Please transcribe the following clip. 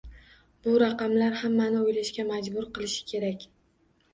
Bu raqamlar hammani o'ylashga majbur qilishi kerak